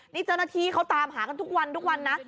นี่เจ้าหน้าที่เขาตามหากันทุกวันทุกวันนะ